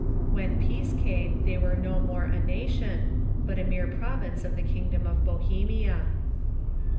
When peace came they were no more a nation, but a mere province of the kingdom of Bohemia.